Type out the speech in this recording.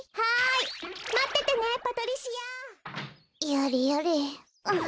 やれやれ。